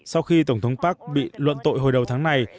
sau khi tổng thống park bị luận tội hồi đầu tháng này